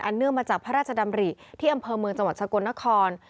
เนื่องมาจากพระราชดำริที่อำเภอเมืองจังหวัดสกลนคร